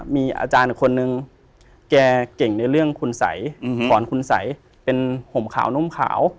มีอาจารย์อีกคนนึงแกเก่งในเรื่องคุณสัยสอนคุณสัยเป็นห่มขาวนุ่มขาว